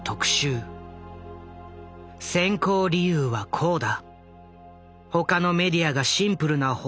選考理由はこうだ。